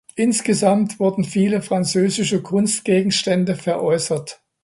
Insgesamt wurden viele französische Kunstgegenstände veräußert.